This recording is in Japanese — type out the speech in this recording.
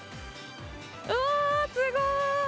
うわー、すごい。